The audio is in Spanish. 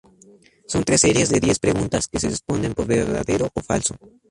Son tres series de diez preguntas que se responden por verdadero o falso.